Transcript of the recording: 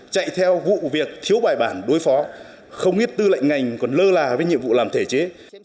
chạy theo vụ việc thiếu bài bản đối phó không biết tư lệnh ngành còn lơ là với nhiệm vụ làm thể chế